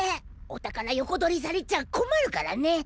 おたからよこどりされちゃこまるからね。